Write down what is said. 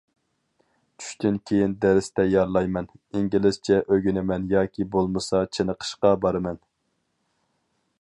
چۈشتىن كېيىن دەرس تەييارلايمەن، ئىنگلىزچە ئۆگىنىمەن ياكى بولمىسا چېنىقىشقا بارىمەن.